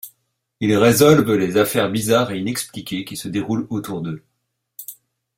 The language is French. Ils résolvent les affaires bizarres et inexpliquées qui se déroulent autour d'eux.